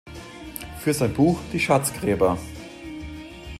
Für sein Buch "Die Schatz-Gräber.